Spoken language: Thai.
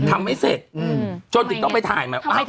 ทำไมละเสร็จอืมจนต้องไปถ่ายมา